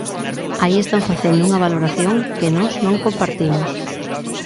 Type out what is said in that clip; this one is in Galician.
Aí están facendo unha valoración que nós non compartimos.